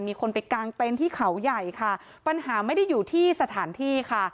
มีคนไปกางเต็นต์ที่เขาใหญ่ค่ะปัญหาไม่ได้อยู่ที่สถานที่ค่ะ